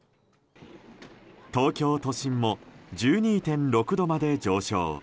東京都心も１２．６度まで上昇。